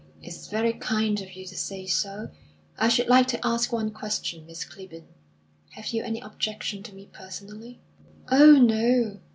"It's very kind of you to say so. I should like to ask one question, Miss Clibborn. Have you any objection to me personally?" "Oh, no!"